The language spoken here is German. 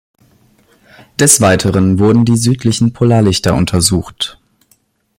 Des Weiteren wurden die südlichen Polarlichter untersucht.